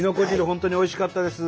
本当においしかったです。